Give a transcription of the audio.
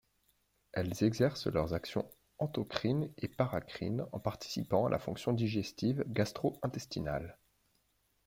Elles exercent leurs actions autocrines et paracrines en participant à la fonction digestive gastro-intestinale.